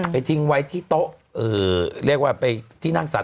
ไปทิ้งไว้ที่โต๊ะว่าไปที่นั่งสระ